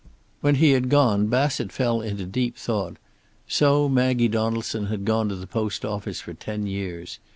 When he had gone Bassett fell into deep thought. So Maggie Donaldson had gone to the post office for ten years.